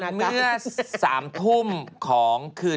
พระพุทธรูปสูงเก้าชั้นหมายความว่าสูงเก้าชั้น